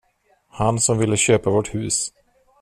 Han som ville köpa vårt hus.